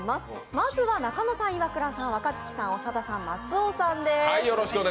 まずは中野さん、イワクラさん、若槻さん、長田さん、松尾さんです。